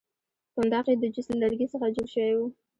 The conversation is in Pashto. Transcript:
کنداغ یې د جوز له لرګي څخه جوړ شوی وو.